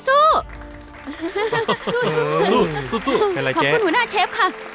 สู้แค่ไรแจ๊ขอบคุณหัวหน้าเชฟค่ะ